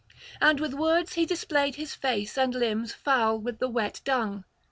And with the words he displayed his face and limbs foul with the wet dung.